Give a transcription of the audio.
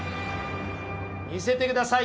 見せてください。